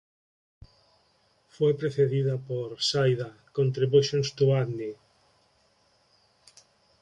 Fue precedida por "Sida, contributions to botany".